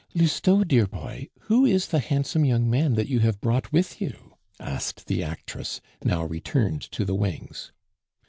"Lousteau, dear boy, who is the handsome young man that you have brought with you?" asked the actress, now returned to the wings.